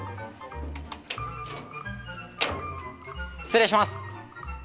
失礼します。